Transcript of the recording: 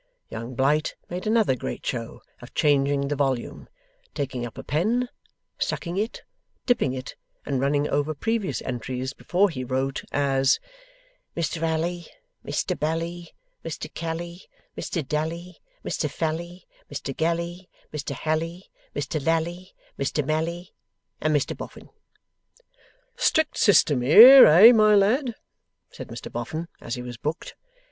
Young Blight made another great show of changing the volume, taking up a pen, sucking it, dipping it, and running over previous entries before he wrote. As, 'Mr Alley, Mr Balley, Mr Calley, Mr Dalley, Mr Falley, Mr Galley, Mr Halley, Mr Lalley, Mr Malley. And Mr Boffin.' 'Strict system here; eh, my lad?' said Mr Boffin, as he was booked.